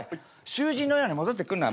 囚人のように戻ってくんな。